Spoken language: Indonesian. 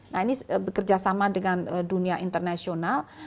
nah ini bekerjasama dengan dunia internasional